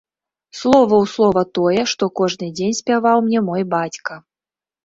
Слова ў слова тое, што кожны дзень спяваў мне мой бацька.